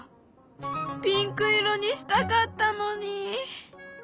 ピンク色にしたかったのに。